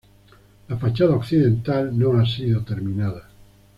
La fachada occidental no ha sido terminada.